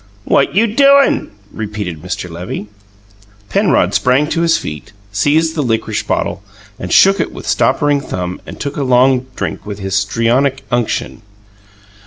"What you doin'?" repeated Mr. Levy. Penrod sprang to his feet, seized the licorice bottle, shook it with stoppering thumb, and took a long drink with histrionic unction.